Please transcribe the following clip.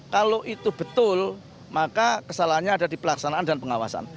kalau itu betul maka kesalahannya ada di pelaksanaan dan pengawasan